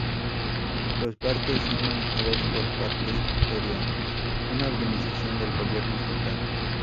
Los parque son manejados por Parques Victoria, una organización del gobierno estatal.